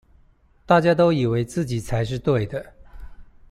大家都以為自己才是對的